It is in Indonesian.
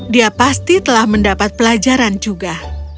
dia pasti telah mendapat pelajaran juga